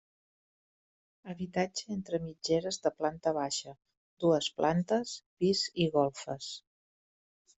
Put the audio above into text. Habitatge entre mitgeres de planta baixa, dues plantes pis i golfes.